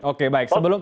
oke baik sebelum